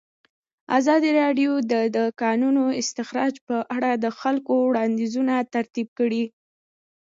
ازادي راډیو د د کانونو استخراج په اړه د خلکو وړاندیزونه ترتیب کړي.